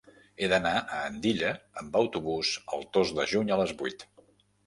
He d'anar a Andilla amb autobús el dos de juny a les vuit.